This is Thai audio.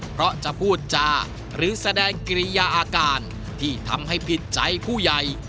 เพราะจะพูดจาหรือแสดงกิริยาอาการที่ทำให้ผิดใจผู้ใหญ่